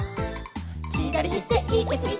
「ひだりいっていきすぎてはっ」